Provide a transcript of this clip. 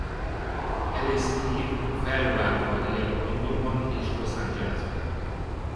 Alice Eve felváltva él Londonban és Los Angelesben.